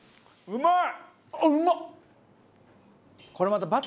うまい！